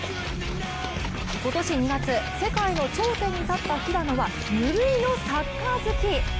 今年２月、世界の頂点に立った平野は、無類のサッカー好き。